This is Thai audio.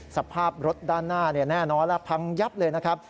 สภาพรถด้านหน้าแน่นอนแล้วพังยับเลยนะครับ